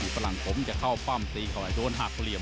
ฝรั่งผมจะเข้าปั้มตีเขาโดนหักเหลี่ยม